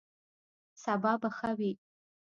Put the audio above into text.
سبا به ښه وي